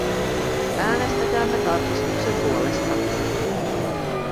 Äänestäkäämme tarkistuksen puolesta.